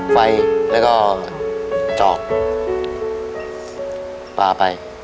ไฟแล้วก็จอกปลาไป